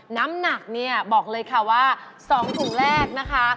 น้ำหนักเนี่ยบอกเลยค่ะว่า๒ถุงแรกนะคะ